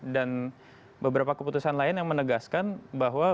dan beberapa keputusan lain yang menegaskan bahwa